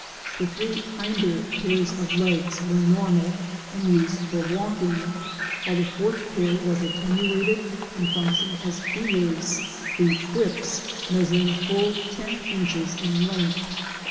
The three hinder pairs of legs were normal and used for walking, while the fourth pair was attenuated and func tioned as feelers — the "whips'"— measuring full ten inches in length.